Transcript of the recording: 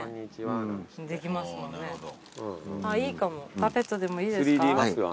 パペットでもいいですか？